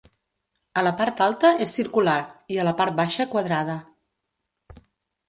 A la part alta és circular i a la part baixa quadrada.